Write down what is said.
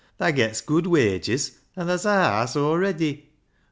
Thaa gets good wages, an' tha's a haase aw ready.